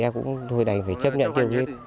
phải chấp nhận tiêu hủy hết